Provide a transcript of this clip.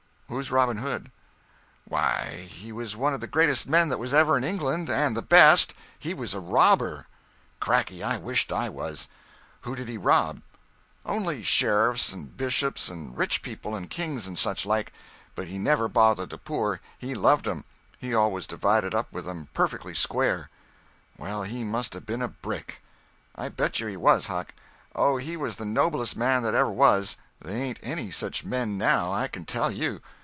Who's Robin Hood?" "Why, he was one of the greatest men that was ever in England—and the best. He was a robber." "Cracky, I wisht I was. Who did he rob?" "Only sheriffs and bishops and rich people and kings, and such like. But he never bothered the poor. He loved 'em. He always divided up with 'em perfectly square." "Well, he must 'a' been a brick." "I bet you he was, Huck. Oh, he was the noblest man that ever was. They ain't any such men now, I can tell you.